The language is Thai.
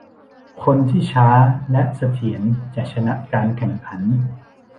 คนที่ช้าและเสถียรจะชนะการแข่งขัน